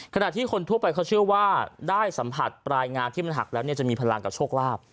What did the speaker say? ขณะที่คนทั่วไปเขาเชื่อว่าได้สัมผัสปลายงานที่มันหักแล้วเนี่ยจะมีพลังกับโชคลาภ